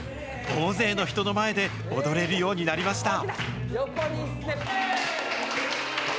大勢の人の前で踊れるようになりました。